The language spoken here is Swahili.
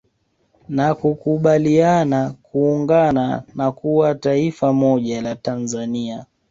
Na kukubaliana kuungana na kuwa taifa moja la Tanzania